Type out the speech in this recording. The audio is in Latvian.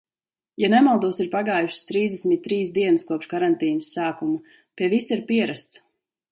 Ja nemaldos, ir pagājušas trīsdesmit trīs dienas kopš karantīnas sākuma, pie visa ir pierasts.